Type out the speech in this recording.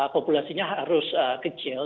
populasinya harus kecil